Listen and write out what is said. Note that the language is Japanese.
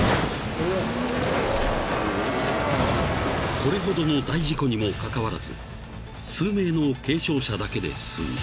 ［これほどの大事故にもかかわらず数名の軽傷者だけで済んだ］